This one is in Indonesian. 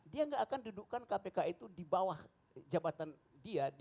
dia gak akan dudukkan kpk itu di bawah jabatan dia